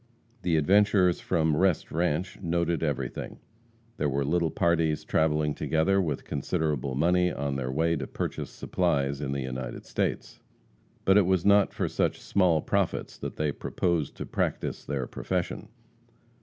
The adventurers from Rest Ranche noted everything. There were little parties travelling together with considerable money, on their way to purchase supplies in the United States. But it was not for such small profits that they proposed to practice their profession.